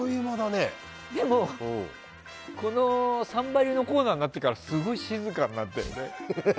でも、この「サンバリュ」のコーナーになってからすごい静かになってるね。